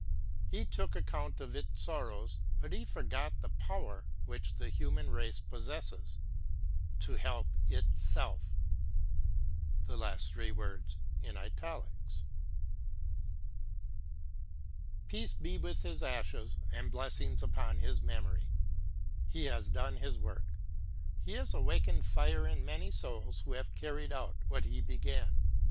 He took account of its sorrows, but he forgot the power which the human race possesses, — to help itself. j with his ashes, and blessings upon his memory ! He has done his work. He has awakened fire in many <vil ^ who have carried out what he began.